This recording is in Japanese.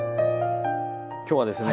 今日はですね